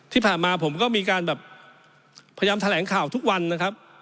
ที่ผ่านมาผมก็มีการแบบพยายามแถลงข่าวทุกวันนะครับ